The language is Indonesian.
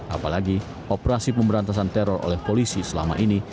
apalagi operasi pemberantasan teror oleh polisi selama ini